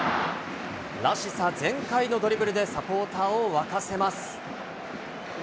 らしさ全開のドリブルでサポーターを沸かせます。